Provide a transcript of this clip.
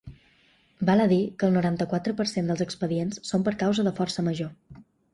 Val a dir que el noranta-quatre per cent dels expedients són per causa de força major.